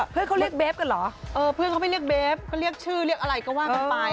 เขาเรียกเบฟกันเหรอเออเพื่อนเขาไปเรียกเบฟเขาเรียกชื่อเรียกอะไรก็ว่ากันไป